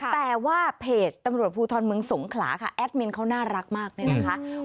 แต่ว่าเพจตำรวจภูทรเมืองสงขลาค่ะแอดมินเขาน่ารักมากเนี่ยนะคะ